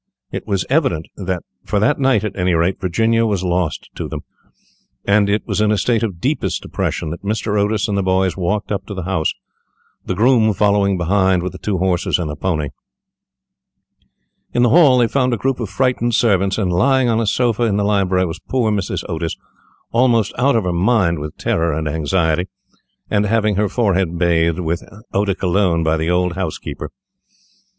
It was evident that, for that night at any rate, Virginia was lost to them; and it was in a state of the deepest depression that Mr. Otis and the boys walked up to the house, the groom following behind with the two horses and the pony. In the hall they found a group of frightened servants, and lying on a sofa in the library was poor Mrs. Otis, almost out of her mind with terror and anxiety, and having her forehead bathed with eau de cologne by the old housekeeper. Mr.